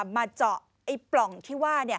มาเจาะไอ้ปล่องที่ว่า